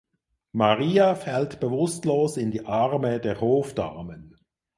Maria fällt bewusstlos in die Arme der Hofdamen.